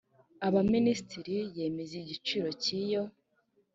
abaminisitiri yemeza igiciro cy iyo